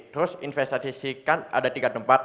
terus investasi sih kan ada tiga tempat